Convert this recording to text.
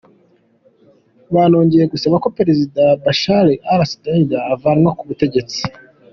Banongeye gusaba ko perezida Bashar al- Assad avanwa ku butegetsi.